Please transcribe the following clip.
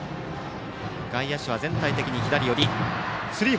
外野手は全体的に左寄り。